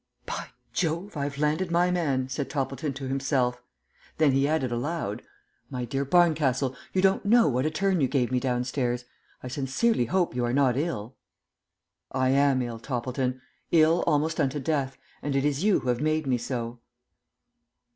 "By Jove! I've landed my man!" said Toppleton to himself. Then he added aloud, "My dear Barncastle, you don't know what a turn you gave me downstairs. I sincerely hope you are not ill?" "I am ill, Toppleton; ill almost unto death, and it is you who have made me so."